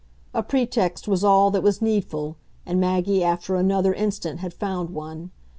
A pretext was all that was needful, and Maggie after another instant had found one.